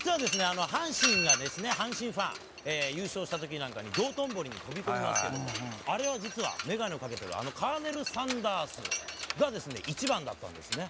阪神がですね阪神ファン優勝した時なんかに道頓堀に飛び込みますけどもあれは実は眼鏡をかけてるあのカーネル・サンダースがですね一番だったんですね。